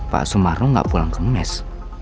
pak sumarno nggak pulang ke mes